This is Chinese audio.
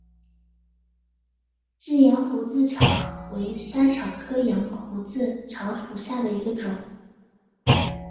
日羊胡子草为莎草科羊胡子草属下的一个种。